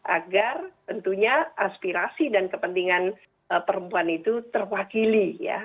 agar tentunya aspirasi dan kepentingan perempuan itu terwakili ya